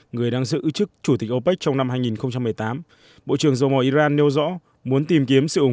người đang giữ chức chủ tịch opec trong năm hai nghìn một mươi tám bộ trưởng dầu mỏ iran nêu rõ muốn tìm kiếm sự ủng